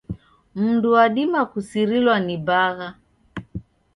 Mndu wadima kusirilwa ni bagha.